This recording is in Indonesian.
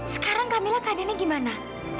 sekarang kamilah keadaannya gimana